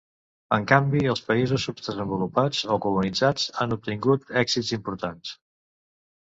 En canvi, els països subdesenvolupats o colonitzats han obtingut èxits importants.